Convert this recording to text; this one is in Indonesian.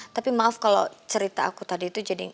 tapi maaf kalau cerita aku tadi itu jadi